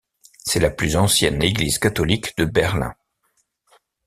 C'est la plus ancienne église catholique de Berlin.